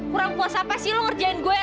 kurang puas apa sih lo ngerjain gue ra